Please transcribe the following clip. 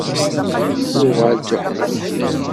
Tuɣal d tuḥdiqt.